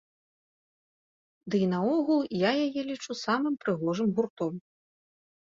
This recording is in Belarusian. Дый наогул я яе лічу самым прыгожым гуртом.